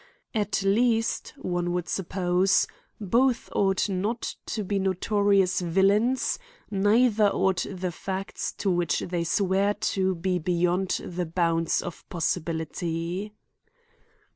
At least, one would sup pose, both ought not to be notorious villains neither ought the facts to which they swear to, be beyond the bounds of possibility.